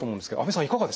いかがですか？